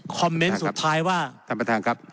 เมนต์สุดท้ายว่าท่านประธานครับ